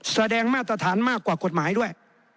มาตรฐานมากกว่ากฎหมายด้วย